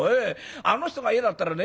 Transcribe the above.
あの人が嫌だったらね